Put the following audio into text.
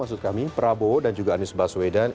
maksud kami prabowo dan juga anies baswedan